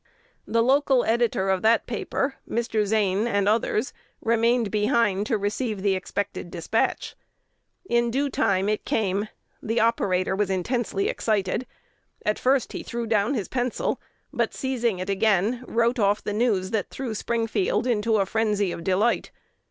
The local editor of that paper, Mr. Zane, and others, remained behind to receive the expected despatch. In due time it came: the operator was intensely excited; at first he threw down his pencil, but, seizing it again, wrote off the news that threw Springfield into a frenzy of delight.